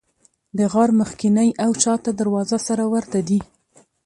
د غار مخکینۍ او شاته دروازه سره ورته دي.